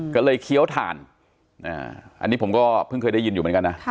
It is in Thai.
ก็เลยเคี้ยวถ่านอันนี้ผมก็เพิ่งเคยได้ยินอยู่เหมือนกันนะ